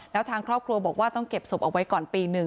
แล้วทางครอบครัวบอกว่าต้องเก็บศพเอาไว้ก่อนปีหนึ่ง